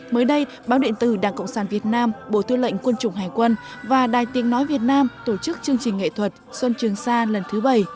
mới đây báo điện tử đảng cộng sản việt nam bộ thư lệnh quân chủng hải quân và đài tiếng nói việt nam tổ chức chương trình nghệ thuật xuân trường sa lần thứ bảy